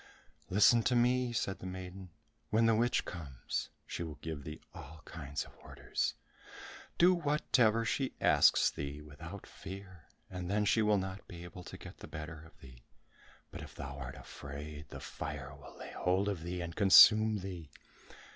"Listen to me," said the maiden, "when the witch comes, she will give thee all kinds of orders; do whatever she asks thee without fear, and then she will not be able to get the better of thee, but if thou art afraid, the fire will lay hold of thee, and consume thee.